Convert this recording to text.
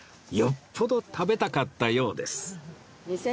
よっぽど食べたかったようです